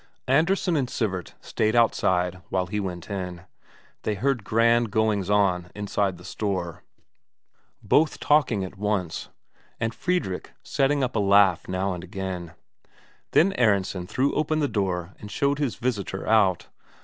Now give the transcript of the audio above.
Andresen and Sivert stayed outside while he went in. They heard grand goings on inside the store, both talking at once, and Fredrik setting up a laugh now and again; then Aronsen threw open the door and showed his visitor out.